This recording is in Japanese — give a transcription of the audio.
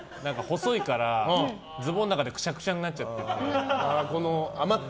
細いから、ズボンの中でくしゃくしゃになっちゃって。